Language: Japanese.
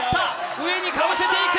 上にかぶせていく！